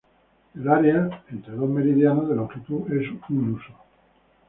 El área entre dos meridianos de longitud es un huso.